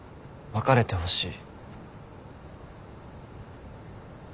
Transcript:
別れてほしい。